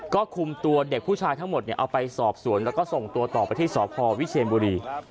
ก็คุมตัวเด็กผู้ชายทั้งหมดเอาไปสอบสวนแล้วก็ส่งตัวต่อไปที่สพวิเชียนบุรี